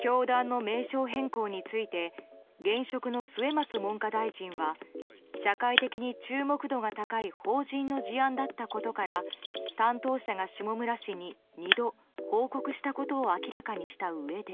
教団の名称変更について現職の末松文科大臣は社会的に注目度が高い法人の事案だったことから担当者が下村氏に２度報告したことを明らかにしたうえで。